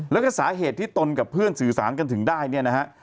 แล้วก็สาเหตุที่ตนกับเพื่อนสื่อสารกันถึงได้เนี่ยนะฮะ